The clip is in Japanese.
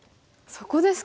そこですか。